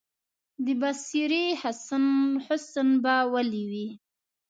د بصرې حسن به ولي وي،